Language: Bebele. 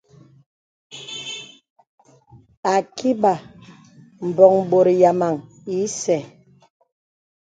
Ākibà mbɔ̀ŋ bòt yàmaŋ ìsɛ̂.